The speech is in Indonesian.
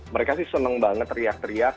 mereka sih seneng banget teriak teriak